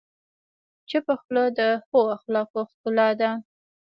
چپه خوله، د ښه اخلاقو ښکلا ده.